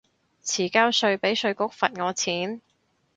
遲交稅被稅局罰我錢